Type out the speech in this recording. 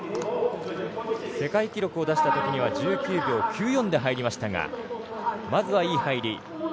世界記録を出したときには１９秒９４で入りましたがまずはいい入り。